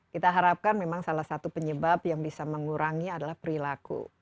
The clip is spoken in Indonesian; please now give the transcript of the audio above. kita harapkan memang salah satu penyebab yang bisa mengurangi adalah perilaku